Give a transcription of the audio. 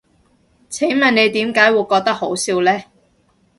請問你點解會覺得好笑呢？